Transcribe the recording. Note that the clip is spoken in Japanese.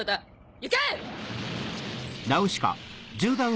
行け！